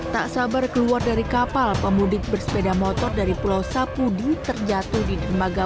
tak sabar keluar dari kapal pemudik bersepeda motor dari pulau sapudi terjatuh di dermaga